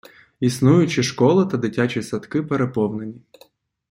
Існуючі школи та дитячі садки переповнені.